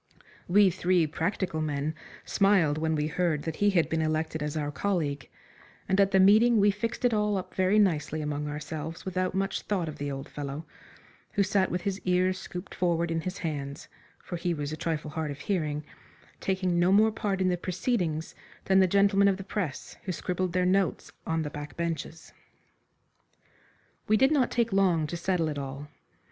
We three practical men smiled when we heard that he had been elected as our colleague, and at the meeting we fixed it all up very nicely among ourselves without much thought of the old fellow who sat with his ears scooped forward in his hands, for he was a trifle hard of hearing, taking no more part in the proceedings than the gentlemen of the press who scribbled their notes on the back benches. We did not take long to settle it all.